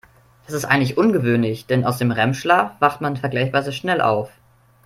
Das ist eigentlich ungewöhnlich, denn aus dem REM-Schlaf wacht man vergleichsweise schnell auf.